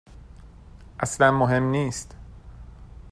اصلا مهم نیست.